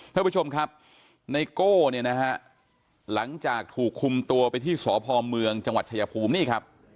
ท่านผู้ชมครับไนโก้เนี่ยนะฮะหลังจากถูกคุมตัวไปที่สพเมืองจังหวัดชายภูมินี่ครับ